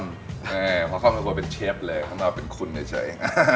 พอเข้ามาในครัวเป็นเชฟเลยข้างนอกเป็นคุณเฉย